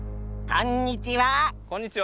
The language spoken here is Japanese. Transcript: こんにちは。